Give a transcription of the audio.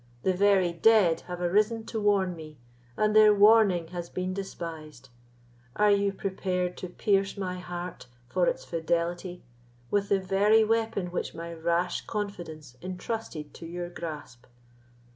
The very dead have arisen to warn me, and their warning has been despised. Are you prepared to pierce my heart for its fidelity with the very weapon which my rash confidence entrusted to your grasp?"